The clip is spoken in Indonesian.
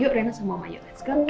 yuk rena sama oma let's go